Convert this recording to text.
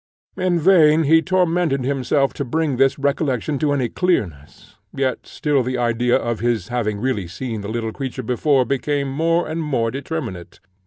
In vain he tormented himself to bring this recollection to any clearness, yet still the idea of his having really seen the little creature before became more and more determinate.